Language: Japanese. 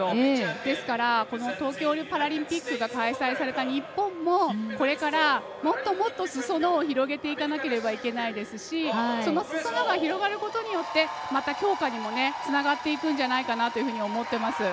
ですから、東京パラリンピックが開催された日本もこれから、もっともっとすそ野を広げていかなければいけないですしそのすそ野が広がることで強くなることにつながっていくんじゃないかなと思っています。